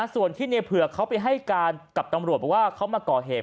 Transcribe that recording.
ส่วนที่ในเผือกเขาไปให้การกับตำรวจบอกว่าเขามาก่อเหตุ